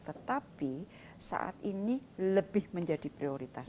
tetapi saat ini lebih menjadi prioritas